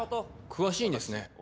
詳しいんですね。